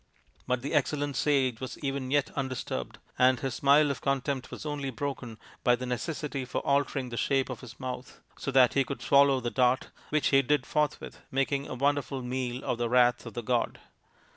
But the excellent sage was even yet un disturbed, and his smile of contempt was only broken by the necessity for altering the shape of his mouth, 2i2 THE INDIAN STORY BOOK so that he could swallow the dart which he did forthwith, making a wonderful meal of the wrath of the god.